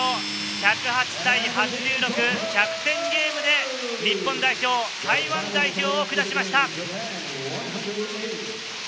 １０８対８６、１００点ゲームで日本代表、台湾代表を下しました。